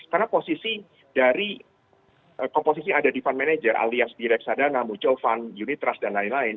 karena posisi dari komposisi ada di fund manager alias direct sadana mutual fund unit trust dan lain lain